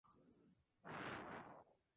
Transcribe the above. Se encuentra en las islas Hawái.